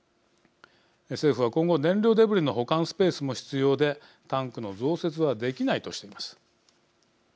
政府は今後、燃料デブリの保管スペースも必要でタンクの増設はできないとしています。